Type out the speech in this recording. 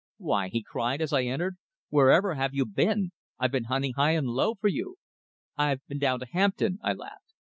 "Why," he cried, as I entered, "wherever have you been? I've been hunting high and low for you." "I've been down to Hampton," I laughed.